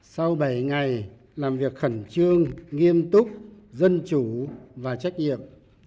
sau bảy ngày làm việc khẩn trương nghiêm túc dân chủ và trách nhiệm